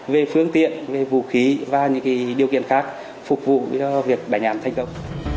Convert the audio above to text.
về phương tiện về vũ khí và những điều kiện khác phục vụ cho việc đánh án thành công